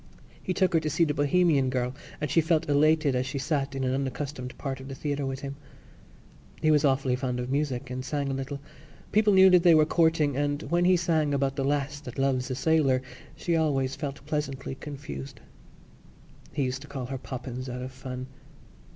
He took her to see The Bohemian Girl and she felt elated as she sat in an unaccustomed part of the theatre with him. He was awfully fond of music and sang a little. People knew that they were courting and, when he sang about the lass that loves a sailor, she always felt pleasantly confused. He used to call her Poppens out of fun.